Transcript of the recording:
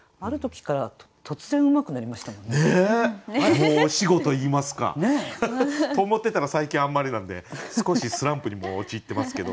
申し子といいますか。と思ってたら最近あんまりなんで少しスランプにも陥ってますけど。